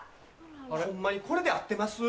ホンマにこれで合ってます？